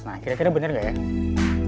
nah kira kira benar gak ya